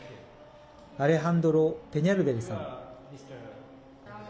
アレハンドロ・ペニャルベルさん。